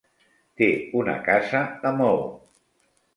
Té una casa a Maó.